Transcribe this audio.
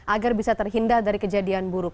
agar bisa terhindar dari kejadian buruk